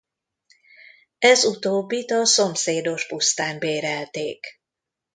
Ez utóbbit a szomszédos pusztán bérelték.